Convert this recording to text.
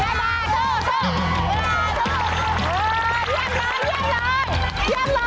เยี่ยมเลย